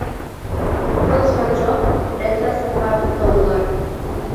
Боцман Джоб Эндерсонға туҡталдылар.